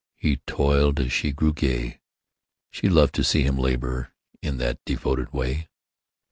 He toiled as she grew gay. She loved to see him labor In that devoted way.